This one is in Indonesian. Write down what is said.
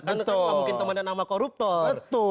kan gak mungkin temenan sama koruptor